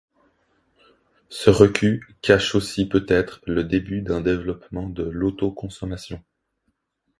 Ce recul cache aussi peut-être le début d’un développement de l'autoconsommation.